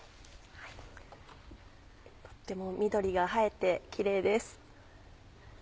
とっても緑が映えてキレイです。